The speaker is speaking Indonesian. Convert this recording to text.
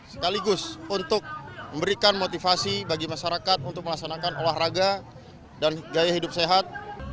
sekaligus untuk memberikan motivasi bagi masyarakat untuk melaksanakan olahraga dan gaya hidup sehat